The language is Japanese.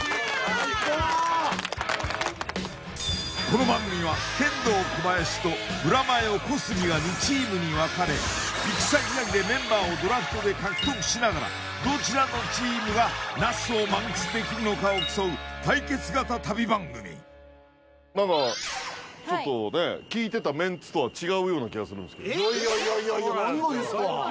この番組はケンドーコバヤシとブラマヨ・小杉が２チームに分かれ行く先々でメンバーをドラフトで獲得しながらどちらのチームが那須を満喫できるのかを競う対決型旅番組ちょっとね聞いてたメンツとは違うような気がするんですけどいやいやいやいや何を言うんすか？